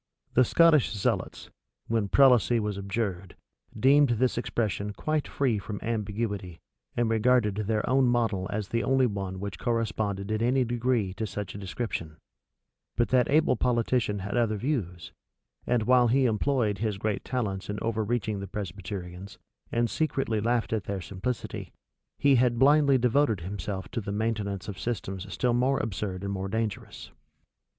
The Scottish zealots, when prelacy was abjured, deemed this expression quite free from ambiguity, and regarded their own model as the only one which corresponded in any degree to such a description: but that able politician had other views; and while he employed his great talents in overreaching the Presbyterians, and secretly laughed at their simplicity, he had blindly devoted himself to the maintenance of systems still more absurd and more dangerous.